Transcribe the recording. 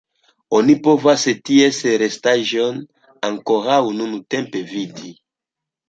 Oni povas ties restaĵojn ankoraŭ nuntempe vidi.